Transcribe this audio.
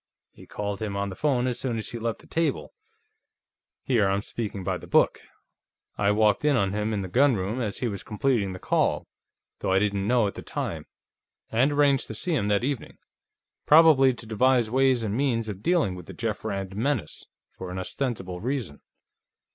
He called him on the phone as soon as he left the table here I'm speaking by the book; I walked in on him, in the gunroom, as he was completing the call, though I didn't know it at the time and arranged to see him that evening. Probably to devise ways and means of dealing with the Jeff Rand menace, for an ostensible reason.